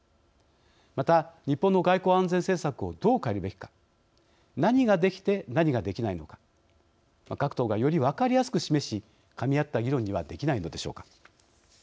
また、日本の外交・安全政策をどう変えるべきか何ができて、何ができないのか各党が、より分かりやすく示しかみ合った議論にはできないのでしょうか。